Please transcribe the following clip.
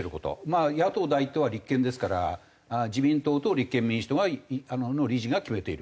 まあ野党第１党は立憲ですから自民党と立憲民主党の理事が決めている事。